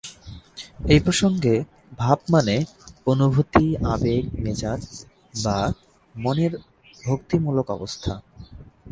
এই প্রসঙ্গে "ভাব" মানে "অনুভূতি", "আবেগ", "মেজাজ", বা "মনের ভক্তিমূলক অবস্থা"।